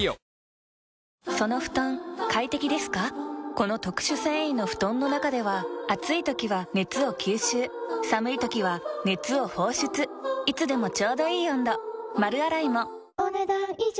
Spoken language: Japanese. この特殊繊維の布団の中では暑い時は熱を吸収寒い時は熱を放出いつでもちょうどいい温度丸洗いもお、ねだん以上。